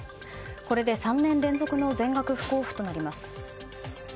これで、３年連続の全額不交付となります。